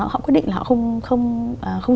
họ quyết định là họ không